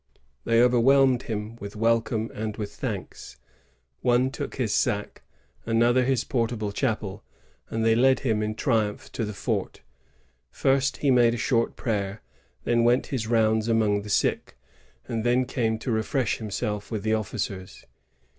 They over whelmed him with welcome and with thanks. One took his sack, another his portable chapel, and they led him in triumph to the fort. First he made a short prayer, then went his rounds among the sick, and then came to refresh himself with the officers.